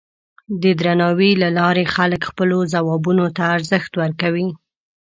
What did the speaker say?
د درناوي له لارې خلک خپلو ځوابونو ته ارزښت ورکوي.